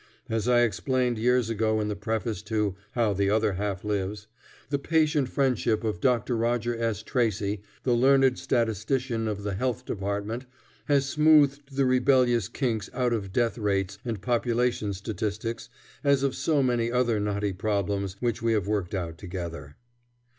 As I explained years ago in the preface to "How the Other Half Lives," the patient friendship of Dr. Roger S. Tracy, the learned statistician of the Health Department, has smoothed the rebellious kinks out of death rates and population statistics, as of so many other knotty problems which we have worked out together.